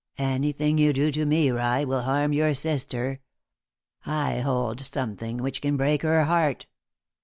"Anything you do to me, rye, will harm your sister. I hold something which can break her heart."